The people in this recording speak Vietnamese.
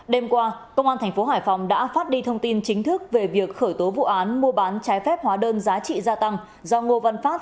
đêm qua công an tp hải phòng đã phát đi thông tin chính thức về việc khởi tố vụ án mua bán trái phép hóa đơn giá trị gia tăng do ngô văn phát